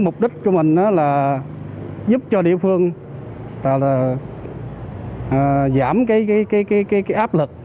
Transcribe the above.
mục đích của mình là giúp cho địa phương giảm cái áp lực